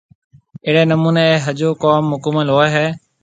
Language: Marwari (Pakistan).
اھڙي نموني اي ۿجو ڪوم مڪمل ھوئي ھيَََ